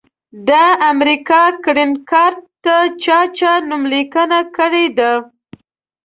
د امریکا ګرین کارټ ته چا چا نوملیکنه کړي ده؟